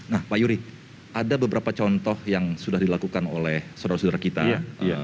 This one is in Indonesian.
nah pak yuri ada beberapa contoh yang sudah dilakukan oleh saudara saudara kita